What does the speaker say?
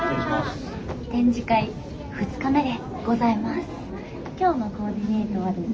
展示会２日目でございます。